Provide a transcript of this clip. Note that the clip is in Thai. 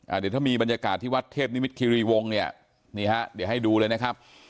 เดี๋ยวถ้ามีบรรยากาศที่วัดเทพนิมิตคิรีวงเนี่ยนี่ฮะเดี๋ยวให้ดูเลยนะครับ